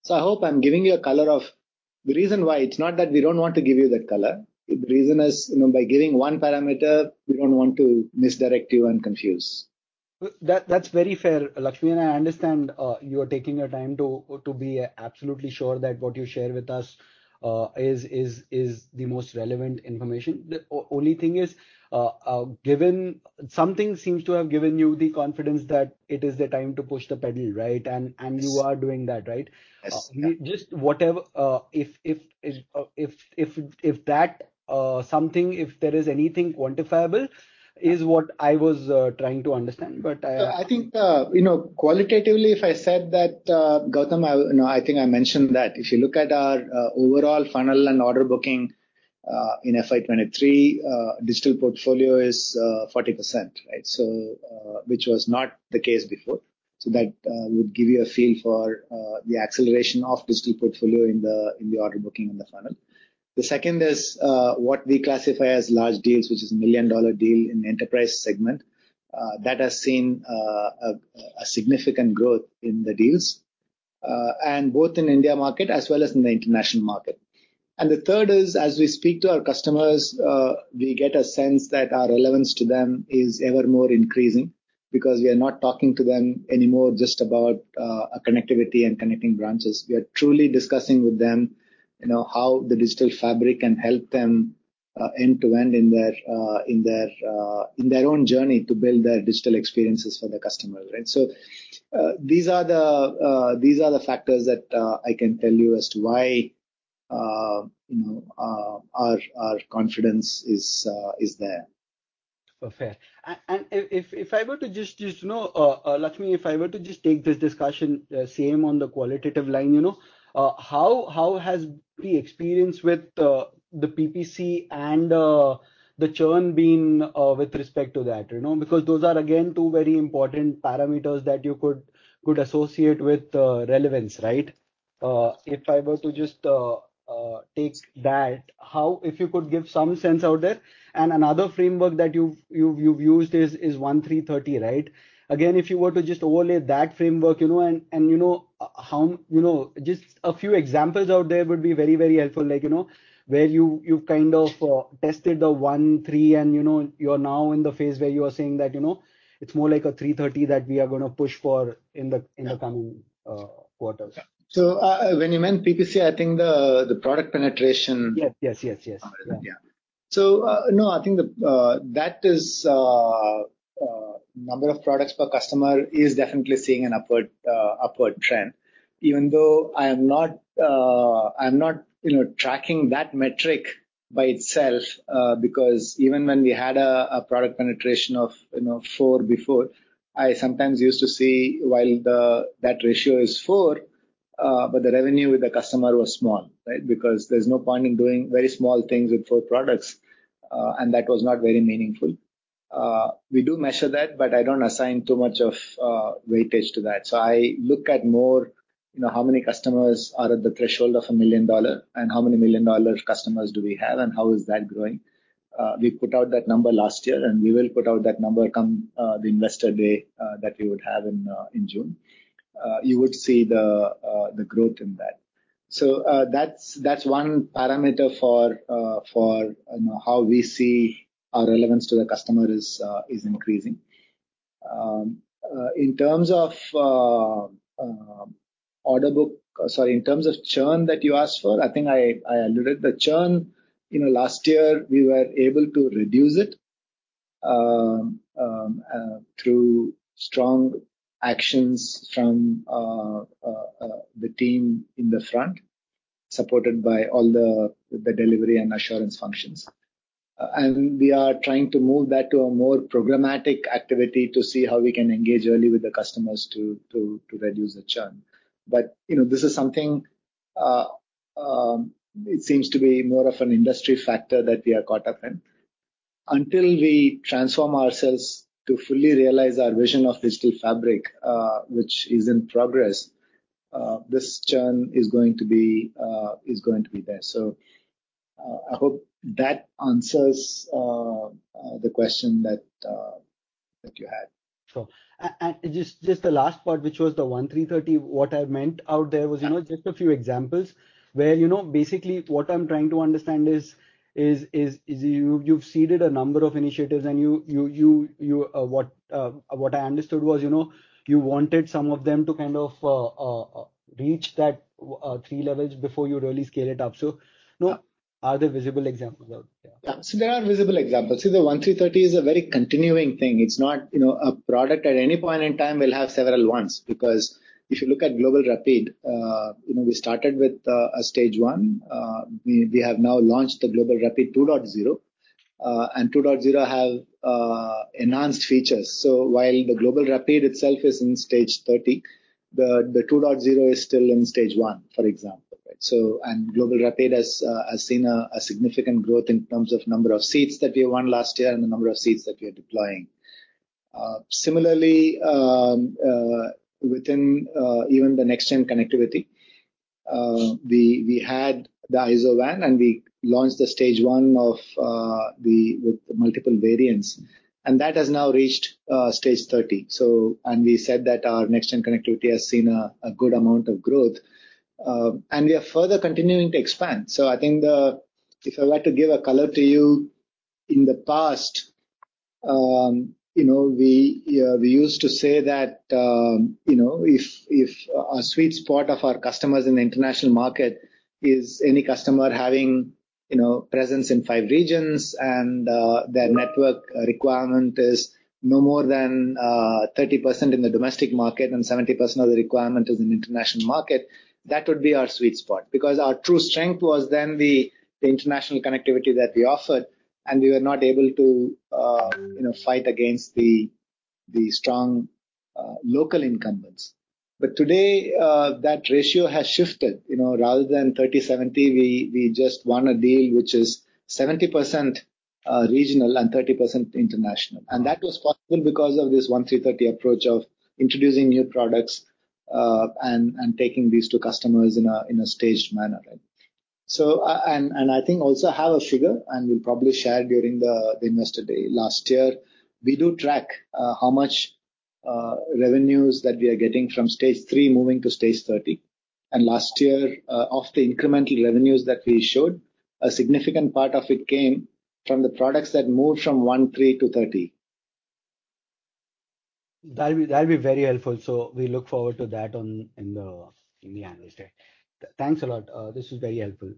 I hope I'm giving you a color of the reason why. It's not that we don't want to give you that color. The reason is, you know, by giving one parameter, we don't want to misdirect you and confuse. That's very fair, Lakshmi. I understand, you are taking your time to be absolutely sure that what you share with us, is the most relevant information. The only thing is, given. Something seems to have given you the confidence that it is the time to push the pedal, right? You are doing that, right? Yes. Just whatever, if that, something, if there is anything quantifiable is what I was, trying to understand. But. I think, you know, qualitatively, if I said that, Gautam, I, you know, I think I mentioned that if you look at our overall funnel and order booking in FY 2023, digital portfolio is 40%, right? Which was not the case before. That would give you a feel for the acceleration of digital portfolio in the order booking in the funnel. The second is what we classify as large deals, which is $1 million deal in enterprise segment. That has seen significant growth in the deals. Both in India market as well as in the international market. The third is, as we speak to our customers, we get a sense that our relevance to them is evermore increasing because we are not talking to them anymore just about connectivity and connecting branches. We are truly discussing with them, you know, how the Digital Fabric can help them end to end in their in their in their own journey to build their digital experiences for the customer, right? These are the these are the factors that I can tell you as to why, you know, our our confidence is there. Fair. If I were to just, you know, Lakshmi, if I were to just take this discussion same on the qualitative line, you know. How has the experience with the PPC and the churn been with respect to that, you know? Those are again, two very important parameters that you could associate with relevance, right? If I were to just take that. If you could give some sense out there. Another framework that you've used is one-three-30, right? Again, if you were to just overlay that framework, you know, just a few examples out there would be very, very helpful. You know, where you've kind of tested the one-three and you know, you're now in the phase where you are saying that, you know, it's more like a three-30 that we are gonna push for in the coming quarters. When you meant PPC, I think the product penetration. Yes. Yes, yes. Yeah. No, I think the that is number of products per customer is definitely seeing an upward trend. Even though I am not tracking that metric by itself, because even when we had a product penetration of four before, I sometimes used to see while the that ratio is four, but the revenue with the customer was small, right? There's no point in doing very small things with four products, that was not very meaningful. We do measure that, I don't assign too much of weightage to that. I look at more how many customers are at the threshold of a million dollar and how many million-dollar customers do we have, how is that growing. We put out that number last year, and we will put out that number come the investor day that we would have in June. You would see the growth in that. That's one parameter for, you know, how we see our relevance to the customer is increasing. In terms of churn that you asked for, I think I alluded. The churn, you know, last year we were able to reduce it through strong actions from the team in the front, supported by all the delivery and assurance functions. We are trying to move that to a more programmatic activity to see how we can engage early with the customers to reduce the churn. You know, this is something, it seems to be more of an industry factor that we are caught up in. Until we transform ourselves to fully realize our vision of Digital Fabric, which is in progress, this churn is going to be there. I hope that answers the question that you had. Sure. And just the last part, which was the one-three-30, what I meant out there was, you know, just a few examples where, you know, basically what I'm trying to understand is, you've seeded a number of initiatives and you, what I understood was, you know, you wanted some of them to kind of reach that three levels before you really scale it up. Are there visible examples out there? Yeah. There are visible examples. See, the one-three-30 is a very continuing thing. It's not, you know, a product at any point in time will have several ones. If you look at GlobalRapide, you know, we started with a stage 1. We have now launched the GlobalRapide 2.0, and 2.0 have enhanced features. While the GlobalRapide itself is in stage 30, the 2.0 is still in stage 1, for example, right? GlobalRapide has seen a significant growth in terms of number of seats that we won last year and the number of seats that we are deploying. Similarly, within even the next-gen connectivity, we had the IZO WAN, and we launched the stage 1 of the... with the multiple variants, and that has now reached stage 30. We said that our next-gen connectivity has seen a good amount of growth, and we are further continuing to expand. I think if I were to give a color to you, in the past, you know, we used to say that, you know, if our sweet spot of our customers in the international market is any customer having, you know, presence in five regions and their network requirement is no more than 30% in the domestic market and 70% of the requirement is in international market, that would be our sweet spot. Because our true strength was then the international connectivity that we offered, and we were not able to, you know, fight against the strong local incumbents. Today, that ratio has shifted. You know, rather than 30/70, we just won a deal which is 70% regional and 30% international. That was possible because of this one-three-30 approach of introducing new products and taking these to customers in a staged manner, right? I think also have a figure, and we'll probably share during the investor day. Last year. We do track how much revenues that we are getting from stage 3 moving to stage 30. Last year, of the incremental revenues that we showed, a significant part of it came from the products that moved from one-three to 30. That'll be very helpful, we look forward to that in the analyst day. Thanks a lot. This is very helpful.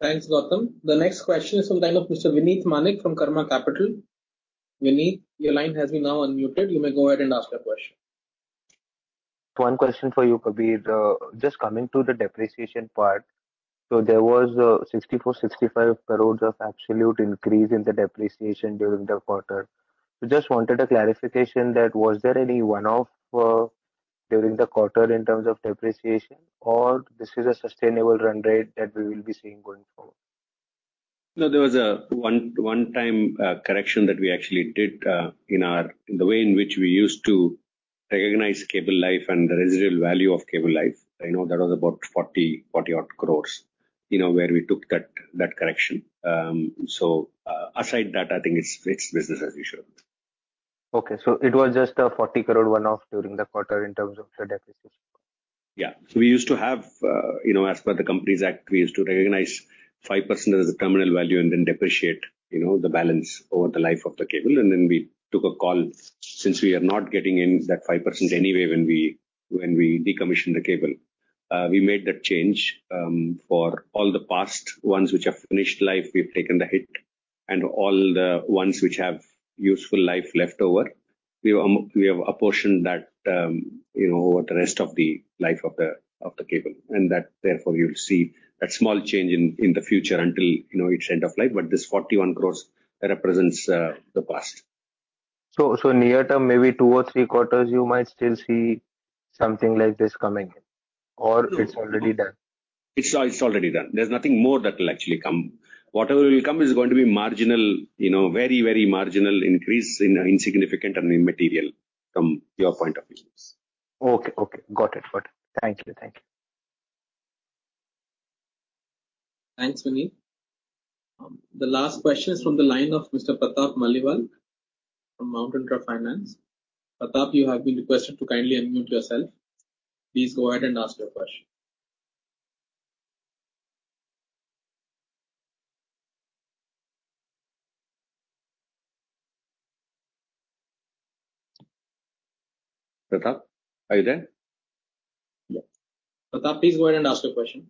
Thanks, Gautam. Next question is from line of Mr. Vinit Manek from Karma Capital. Vinit, your line has been now unmuted. You may go ahead and ask your question. One question for you, Kabir. Just coming to the depreciation part. There was 64 crores-65 crores of absolute increase in the depreciation during the quarter. Just wanted a clarification that was there any one-off during the quarter in terms of depreciation or this is a sustainable run rate that we will be seeing going forward? No, there was a one time correction that we actually did in our... the way in which we used to recognize cable life and the residual value of cable life. I know that was about 40 odd crores, you know, where we took that correction. Aside that, I think it's business as usual. Okay. It was just a 40 crore one-off during the quarter in terms of the depreciation. Yeah. We used to have, you know, as per the Companies Act, we used to recognize 5% as the terminal value and then depreciate, you know, the balance over the life of the cable. We took a call, since we are not getting in that 5% anyway when we, when we decommission the cable, we made that change. For all the past ones which have finished life, we've taken the hit. All the ones which have useful life left over, we have apportioned that, you know, over the rest of the life of the cable. That therefore you'll see that small change in the future until, you know, its end of life. This 41 crores represents the past. So near term, maybe two or three quarters, you might still see something like this coming in or it's already done. It's already done. There's nothing more that will actually come. Whatever will come is going to be marginal, you know, very, very marginal increase in, insignificant and immaterial from your point of view. Okay. Okay. Got it. Got it. Thank you. Thank you. Thanks, Vinit. The last question is from the line of Mr. Pratap Maliwal from Mount Intra Finance. Pratap, you have been requested to kindly unmute yourself. Please go ahead and ask your question. Pratap, are you there? Yeah. Pratap, please go ahead and ask your question.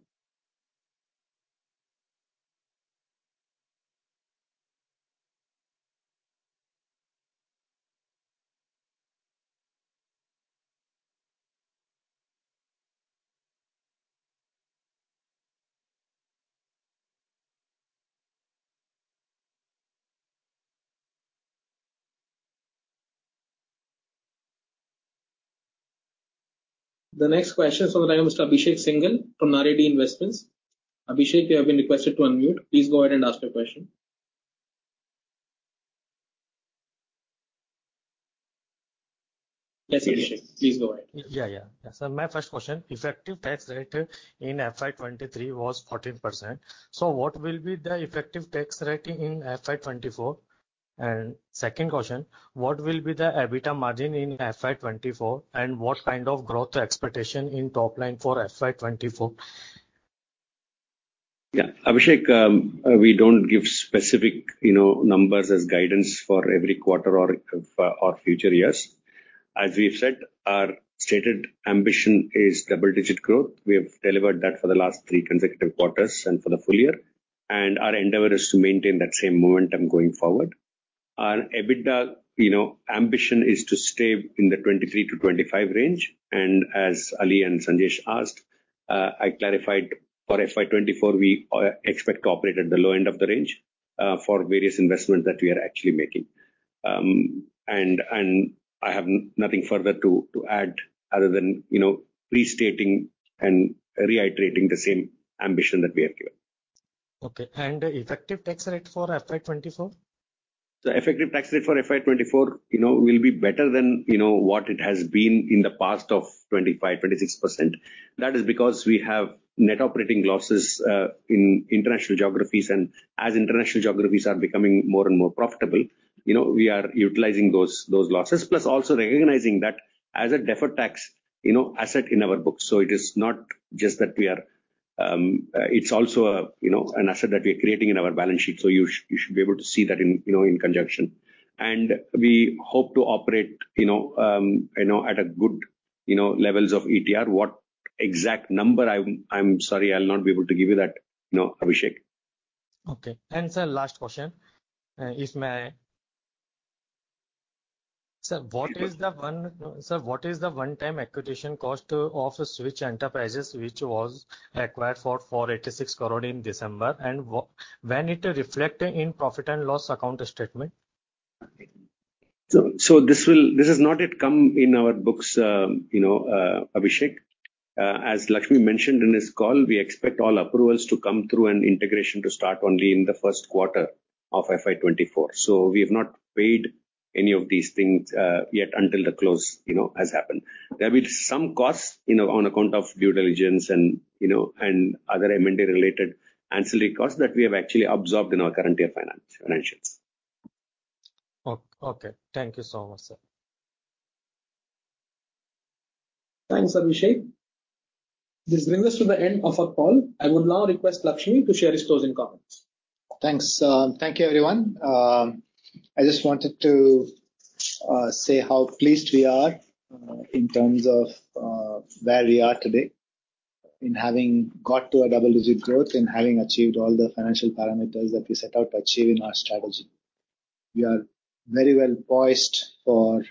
The next question is from the line of Mr. Abhishek Singhal from RAD Investments. Abhishek, you have been requested to unmute. Please go ahead and ask your question. Yes, Abhishek, please go ahead. Yeah. My first question, effective tax rate in FY 2023 was 14%. What will be the effective tax rate in FY 2024? Second question, what will be the EBITDA margin in FY 2024 and what kind of growth expectation in top line for FY 2024? Yeah. Abhishek, we don't give specific, you know, numbers as guidance for every quarter or future years. As we've said, our stated ambition is double-digit growth. We have delivered that for the last three consecutive quarters and for the full year, our endeavor is to maintain that same momentum going forward. Our EBITDA, you know, ambition is to stay in the 23%-25% range. As Ali and Sandesh asked, I clarified for FY 2024, we expect to operate at the low end of the range for various investments that we are actually making. I have nothing further to add other than, you know, restating and reiterating the same ambition that we have given. Okay. Effective tax rate for FY 2024? The effective tax rate for FY 2024, you know, will be better than, you know, what it has been in the past of 25%-26%. That is because we have net operating losses in international geographies. As international geographies are becoming more and more profitable, you know, we are utilizing those losses, plus also recognizing that as a deferred tax, you know, asset in our books. It is not just that we are. It's also a, you know, an asset that we are creating in our balance sheet. You, you should be able to see that in, you know, in conjunction. We hope to operate, you know, at a good, you know, levels of ETR. What exact number I'm sorry, I'll not be able to give you that, you know, Abhishek. Okay. Sir, last question. if may. Sir, what is the one-time acquisition cost of Switch Enterprises, which was acquired for 86 crore in December? When it reflect in profit and loss account statement? This has not yet come in our books, you know, Abhishek. As Lakshmi mentioned in his call, we expect all approvals to come through and integration to start only in the first quarter of FY 2024. We have not paid any of these things yet until the close, you know, has happened. There will be some costs, you know, on account of due diligence and, you know, and other M&A related ancillary costs that we have actually absorbed in our current year finance, financials. Okay. Thank you so much, sir. Thanks, Abhishek. This brings us to the end of our call. I would now request Lakshmi to share his closing comments. Thanks. Thank you, everyone. I just wanted to say how pleased we are in terms of where we are today in having got to a double-digit growth and having achieved all the financial parameters that we set out to achieve in our strategy. We are very well poised for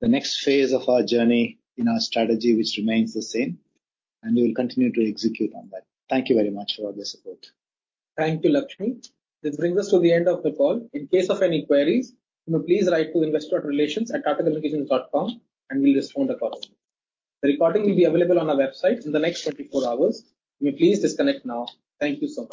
the next phase of our journey in our strategy, which remains the same, and we will continue to execute on that. Thank you very much for all your support. Thank you, Lakshmi. This brings us to the end of the call. In case of any queries, you may please write to investorrelations@tatacommunications.com and we'll respond accordingly. The recording will be available on our website in the next 24 hours. You may please disconnect now. Thank you so much.